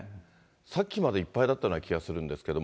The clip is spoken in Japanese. さっきまでいっぱいだったような気がするんですけど。